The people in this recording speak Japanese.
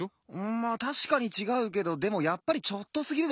まったしかにちがうけどでもやっぱりちょっとすぎるでしょ。